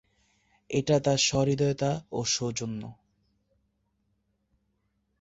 এটা তাঁর সহৃদয়তা ও সৌজন্য।